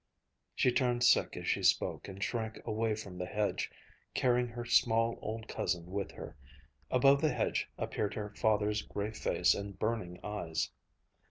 She turned sick as she spoke and shrank away from the hedge, carrying her small old cousin with her. Above the hedge appeared her father's gray face and burning eyes.